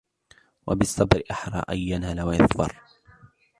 وَبِالصَّبْرِ أَحْرَى أَنْ يَنَالَ وَيَظْفَرَ